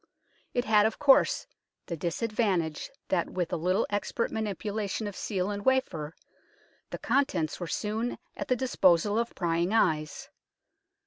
It had, of course, the disadvantage that with a little expert mani pulation of seal and wafer the contents were soon at the disposal of prying eyes.